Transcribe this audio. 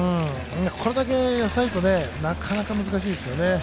これだけ浅いとなかなか難しいですね。